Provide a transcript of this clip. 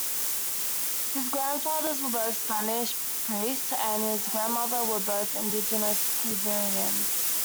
His grandfathers were both Spanish priests, and his grandmothers were both indigenous Peruvians.